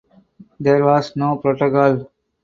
There was no protocol.